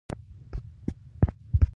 د خاصو او عامو لارې بېلې وې.